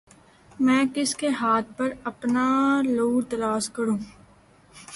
میں کس کے ہاتھ پر اپنا لہو تلاش کروں